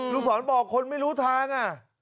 ลูกศรบอกคนไม่รู้ทาง